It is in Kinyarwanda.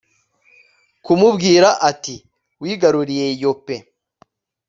kumubwira ati wigaruriye yope